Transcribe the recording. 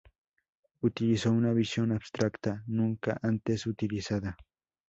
Utilizó una visión abstracta, nunca antes utilizada.